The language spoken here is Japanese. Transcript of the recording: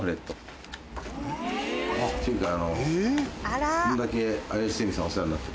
ていうかあの。